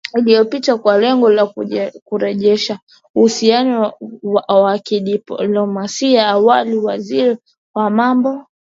uliopita kwa lengo la kurejesha uhusiano wa kidiplomasia Awali waziri wa mambo ya nje wa Iraq